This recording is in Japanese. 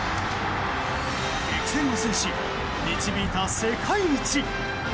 激戦を制し、導いた世界一。